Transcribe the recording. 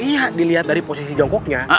iya dilihat dari posisi jongkoknya